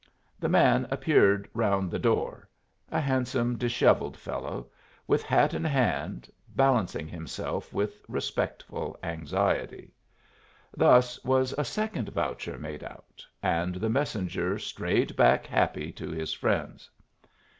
The man appeared round the door a handsome, dishevelled fellow with hat in hand, balancing himself with respectful anxiety. Thus was a second voucher made out, and the messenger strayed back happy to his friends.